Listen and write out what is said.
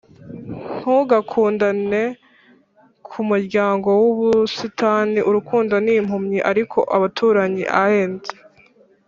ntugakundane kumuryango wubusitani, urukundo ni impumyi ariko abaturanyi aint